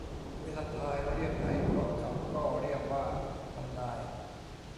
เวลาทาย เรียกให้เพราะเขาก็เรียกว่าทำนาย